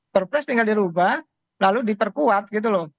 perpres tinggal dirubah lalu diperkuat gitu loh